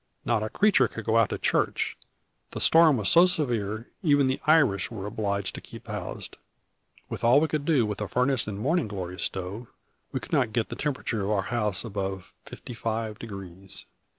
Not a creature could go out to church, the storm was so severe: even the Irish were obliged to keep housed. With all we could do with a furnace and morning glory stove, we could not get the temperature of our house above fifty five degrees."